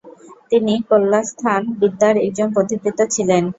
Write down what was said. তিনি কলাস্থানবিদ্যার একজন পথিকৃৎ ছিলেন।